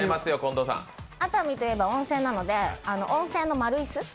熱海といえば温泉なので、温泉の丸椅子？